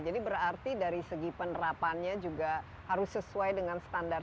jadi berarti dari segi penerapannya juga harus sesuai dengan standar